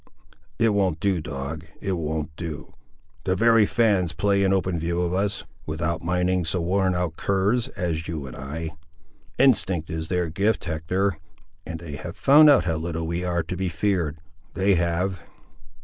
It won't do, dog; it won't do; the very fa'ns play in open view of us, without minding so worn out curs, as you and I. Instinct is their gift, Hector and, they have found out how little we are to be feared, they have!"